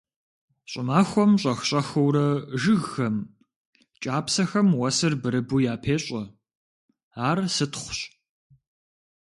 Щӏымахуэм щӏэх-щӏэхыурэ жыгхэм, кӏапсэхэм уэсыр бырыбу япещӏэ, ар сытхъущ.